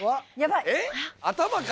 えっ頭から！？